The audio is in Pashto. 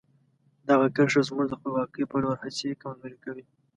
دغه کرښه زموږ د خپلواکۍ په لور هڅې کمزوري کوي.